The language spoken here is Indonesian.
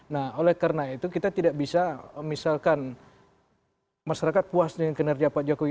nah oleh karena itu kita tidak bisa misalkan masyarakat puas dengan kinerja pak jokowi